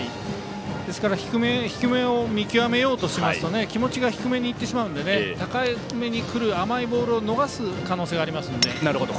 ですから低めを見極めようとすると気持ちが低めにいってしまうので高めにくる甘いボールを逃す可能性がありますので。